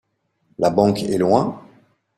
La banque est loin ?